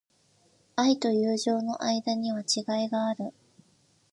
愛と友情の間には違いがある。